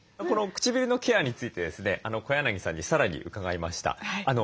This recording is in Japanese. この唇のケアについてですね小柳さんに更に伺いました。